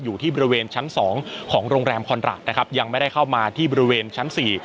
อยู่ที่บริเวณชั้นสองของโรงแรมคอนราชนะครับยังไม่ได้เข้ามาที่บริเวณชั้นสี่